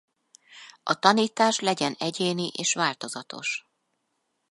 A tanítás legyen egyéni és változatos.